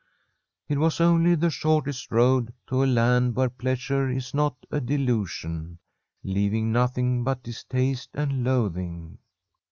It was only the shortest road to a land where pleas ure is not a delusion, leaving nothing but distaste and loathing.